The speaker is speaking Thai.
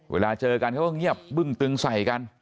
เวลาเจอกันเขาก็เงียบบึ้งตึงใส่กัน